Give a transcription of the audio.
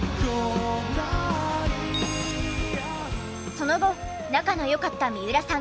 その後仲の良かった三浦さんが夢をかなえ